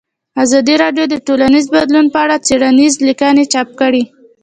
ازادي راډیو د ټولنیز بدلون په اړه څېړنیزې لیکنې چاپ کړي.